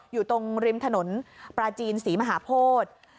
อยู่ตรงริมถนนปลาจีนศรีมหาโพธิ